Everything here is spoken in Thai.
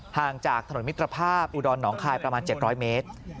ห่างจากถนนมิตรภาพอุดรหนองคายประมาณ๗๐๐เมตร